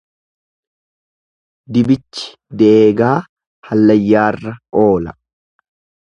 Dibichi deegaa hallayyaarra oola.